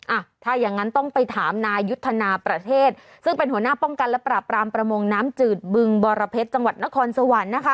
อ่ะถ้าอย่างงั้นต้องไปถามนายุทธนาประเทศซึ่งเป็นหัวหน้าป้องกันและปราบรามประมงน้ำจืดบึงบรเพชรจังหวัดนครสวรรค์นะคะ